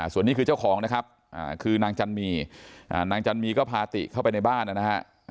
ส่วนนี้คือเจ้าของนะครับคือนางจันมีนางจันมีก็พาติเข้าไปในบ้านนะฮะ